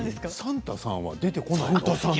算太さんは出てこないの？